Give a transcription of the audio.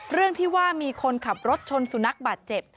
เรื่องที่ว่ามีคนขับรถชนสุนัขบาดเจ็บ